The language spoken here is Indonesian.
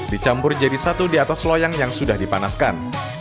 dicampur jadi satu di atas loyang yang sudah dipanaskan